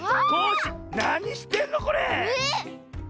なにしてんのこれ⁉え？